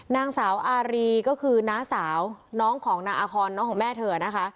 นางสาวอารีก็คือน้าสาวน้องของนางอาคอนน้องของแม่เธอนะคะ